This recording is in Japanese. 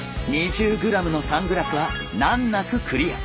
２０ｇのサングラスは難なくクリア！